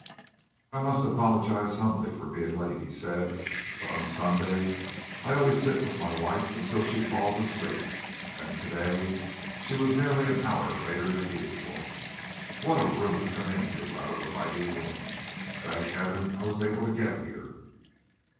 "I must apologize humbly for being late," he said, "but on Sunday I always sit with my wife until she falls asleep, and to day she was nearly an hour later than usual. What a room to come into out of a biting wind! Thank heaven I was able to get here."